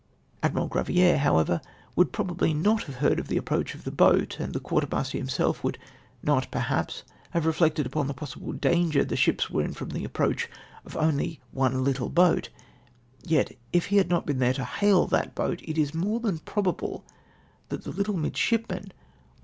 " Admiral (J raviere, however, would probably not have heard of the approach of the boat, and the quarter master himself would not perhaps have reflected upon the possible danger the ships were in from the approach of only one little boat ; yet if he had not been there to hail that boat, it is more than probable that the little midshipman would have VOL.